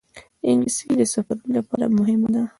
انګلیسي د سفرونو لپاره مهمه ده